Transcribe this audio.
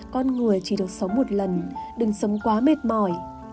con người chỉ được sống một lần đừng sống quá mệt mỏi